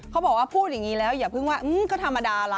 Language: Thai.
เขาบอกว่าพูดอย่างนี้แล้วอย่าเพิ่งว่าก็ธรรมดาล่ะ